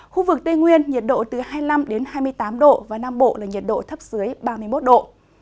khu vực tây nguyên nhiệt độ từ hai mươi năm hai mươi tám độ và nam bộ là nhiệt độ thấp dưới ba mươi một độ